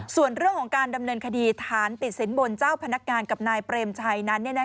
ส่วนเรื่องของการดำเนินคดีฐานติดสินบนเจ้าพนักงานกับนายเปรมชัยนั้น